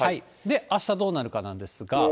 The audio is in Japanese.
あしたどうなるかなんですが。